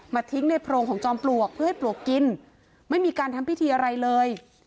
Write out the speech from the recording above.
ทิ้งในโพรงของจอมปลวกเพื่อให้ปลวกกินไม่มีการทำพิธีอะไรเลย